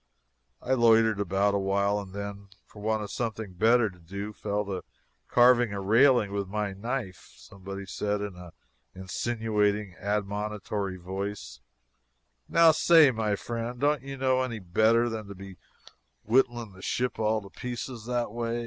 I loitered about awhile, and then, for want of something better to do, fell to carving a railing with my knife. Somebody said, in an insinuating, admonitory voice: "Now, say my friend don't you know any better than to be whittling the ship all to pieces that way?